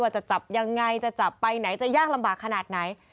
จะจับยังไงจะจับไปไหนจะยากลำบากขนาดไหน